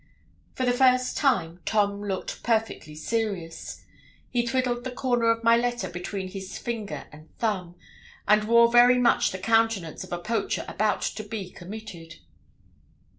For the first time Tom looked perfectly serious. He twiddled the corner of my letter between his finger and thumb, and wore very much the countenance of a poacher about to be committed.